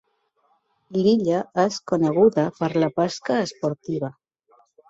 L'illa és coneguda per la pesca esportiva.